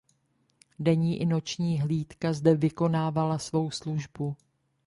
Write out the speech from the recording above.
Denní i noční hlídka zde vykonávala svou službu.